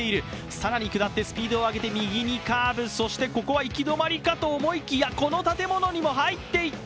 さらに下ってスピードを上げて、右にカーブ、そしてここは行き止まりかと思いきや、この建物にも入っていった！